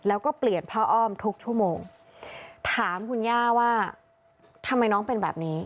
แล้วก็เปลี่ยนผ้าอ้อมทุกชั่วโมงถามคุณย่าว่าทำไมน้องเป็นแบบนี้